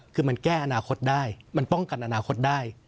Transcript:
คือมันแก้อนาคตได้มันป้องกันอนาคตได้